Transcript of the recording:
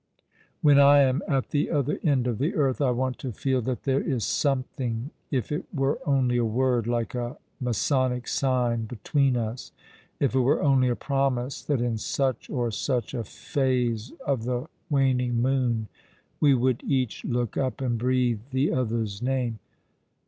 When I am at the other end of the earth I want to feel that there is something, if it were only a word, like a masonic sign, between us ; if it were only a j)romise that in such or such a phase of the waning moon we would each look up and breathe the other's name."